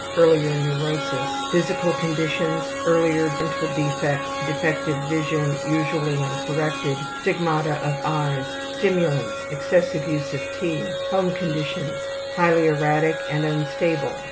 Earlier neurosis. Physical conditions: Earlier dental defects. Defective vision, usually uncorrected. Stigmata of eyes. Stimulants: Excessive use of tea. Home conditions: Highly erratic and unstable.